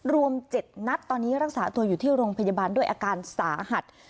รวม๗นัดตอนนี้รักษาตัวอยู่ที่โรงพยาบาลด้วยอาการสาหัส